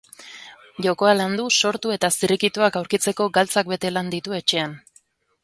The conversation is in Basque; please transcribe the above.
Jokoa landu, sortu eta zirrikituak aurkitzeko galtzak bete lan ditu etxean.